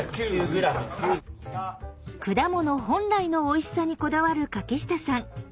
果物本来のおいしさにこだわる柿下さん。